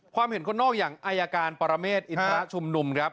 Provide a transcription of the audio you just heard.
เห็นคนนอกอย่างอายการปรเมฆอินทรชุมนุมครับ